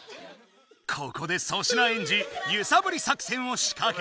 ここで粗品エンジゆさぶり作戦をしかけた。